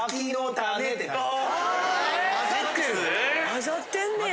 混ざってんねや。